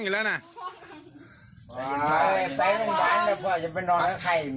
เลี้ยงมึง